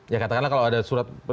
ya katakanlah kalau ada surat